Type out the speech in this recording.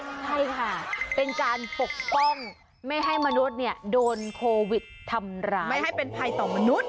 ใช่ค่ะเป็นการปกป้องไม่ให้มนุษย์โดนโควิดทำร้ายไม่ให้เป็นภัยต่อมนุษย